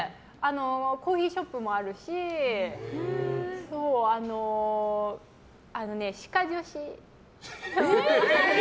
コーヒーショップもあるし歯科助手。